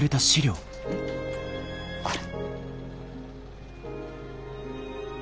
これ。